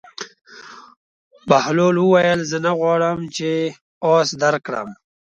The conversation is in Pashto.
بهلول وویل: زه نه غواړم چې اس درکړم.